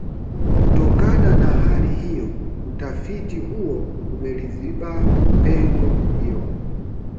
Kutokana na hali hiyo, utafiti huu umeliziba pengo hilo